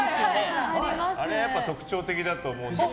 あれはやっぱ特徴的だと思うんですけど。